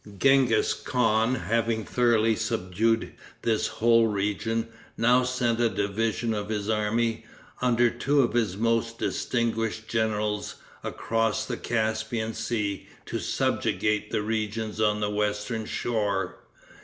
Genghis Khan having thoroughly subdued this whole region, now sent a division of his army, under two of his most distinguished generals, across the Caspian Sea to subjugate the regions on the western shore.